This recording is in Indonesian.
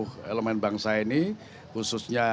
terima kasih juga